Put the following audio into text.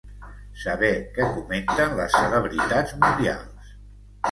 Saber què comenten les celebritats mundials